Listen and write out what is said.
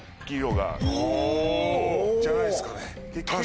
じゃないっすかね？